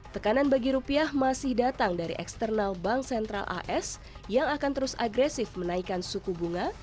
tekanan bagi rupiah masih datang dari eksternal bank sentral as yang akan terus agresif menaikkan suku bunga